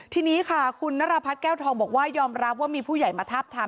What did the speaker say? ทีนี้ค่ะคุณนรพัฒน์แก้วทองบอกว่ายอมรับว่ามีผู้ใหญ่มาทาบทาม